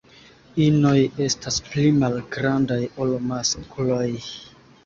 Inoj estas pli malgrandaj ol maskloj.